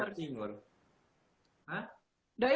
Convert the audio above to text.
kalau pecel nggak ada daging biasanya